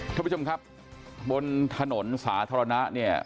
ท่านผู้ชมครับบนถนนสาธารณะเนี่ย